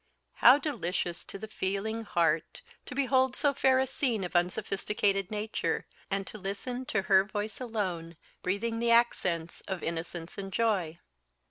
How delicious to the feeling heart to behold so fair a scene of unsophisticated Nature, and to listen to her voice alone, breathing the accents of innocence and joy!